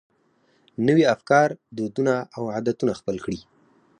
نوي افکار، دودونه او عادتونه خپل کړي.